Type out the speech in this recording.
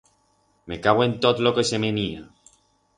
Mecagüen tot lo que se menía!